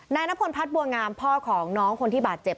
นายนพลพัฒนบัวงามพ่อของน้องคนที่บาดเจ็บ